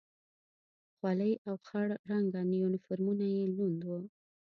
خولۍ او خړ رنګه یونیفورمونه یې لوند و.